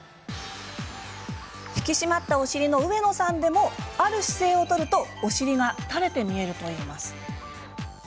引き締まったお尻の上野さんでもある姿勢を取るとお尻がたれて見えるといいます。